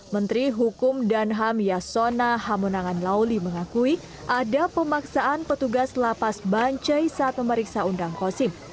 menteri hukum dan ham yasona hamunangan lauli mengakui ada pemaksaan petugas lapas bancai saat memeriksa undang kosim